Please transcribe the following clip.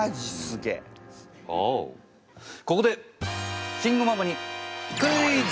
ここで慎吾ママにクイズ！！